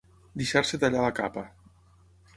Deixar-se tallar la capa.